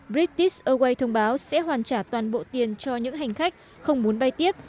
british airways thông báo sẽ hoàn trả toàn bộ tiền cho những hành khách không muốn bay tiếp